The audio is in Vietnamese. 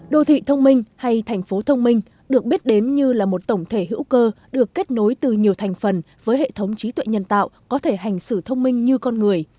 đô thị thông minh hay thành phố thông minh được biết đến như là một tổng thể hữu cơ được kết nối từ nhiều thành phần với hệ thống trí tuệ nhân tạo có thể hành xử thông minh như con người